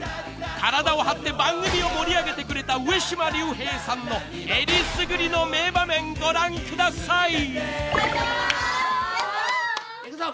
［体を張って番組を盛り上げてくれた上島竜兵さんのえりすぐりの名場面ご覧ください］いくぞ。